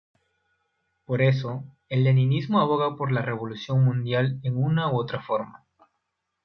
Por eso, el Leninismo aboga por la revolución mundial en una forma u otra.